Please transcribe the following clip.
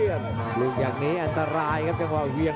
เรียนรู้ศิลปะมวยไทยเราไปเยอะเหมือนกันครับไมค์เดอร์ดีเรียน